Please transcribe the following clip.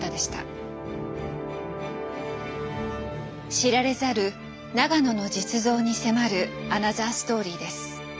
知られざる永野の実像に迫るアナザーストーリーです。